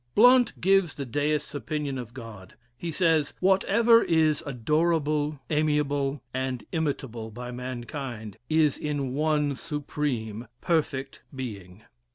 Blount gives the Deist's opinion of God. He says, "Whatever is adorable, amiable, and imitable by mankind, is in one Supreme, perfect Being."